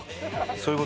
そういう事？